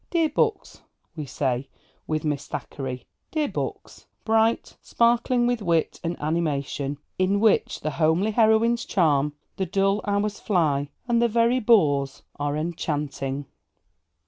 'Dear books,' we say, with Miss Thackeray 'dear books, bright, sparkling with wit and animation, in which the homely heroines charm, the dull hours fly, and the very bores are enchanting.'